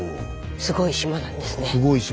すごい島なんだよね。